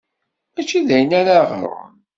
Mačči d ayen ara ɣren.